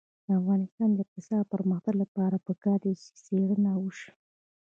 د افغانستان د اقتصادي پرمختګ لپاره پکار ده چې څېړنه وشي.